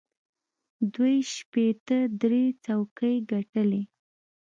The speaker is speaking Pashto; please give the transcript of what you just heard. دوی شپېته درې څوکۍ ګټلې.